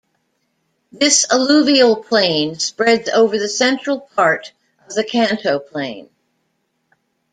This alluvial plain spreads over the central part of the Kanto Plain.